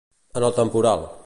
En el temporal.